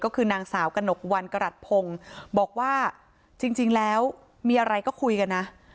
ก็คือนางสาวกระหนกวันกรัฐพงศ์บอกว่าจริงแล้วมีอะไรก็คุยกันนะ